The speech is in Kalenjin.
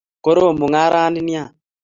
korom mungarani nea